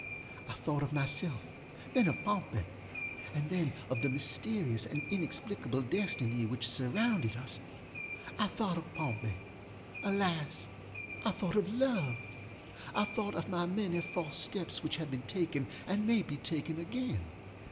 I thought of myself, then of Pompey, and then of the mysterious and inexplicable destiny which surrounded us. I thought of Pompey! ŌĆöalas, I thought of love! I thought of my many false steps which have been taken, and may be taken again.